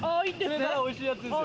釣れたらおいしいやつですよ。